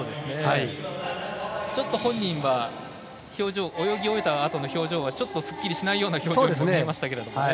本人は泳ぎ終えたあとの表情はちょっとすっきりしないようにも見えましたけど。